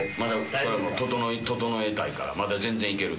ととのえたいからまだ全然いける。